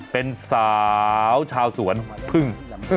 เป็นสาวชาวสวนพึ่ง